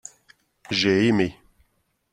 J’ai aimé.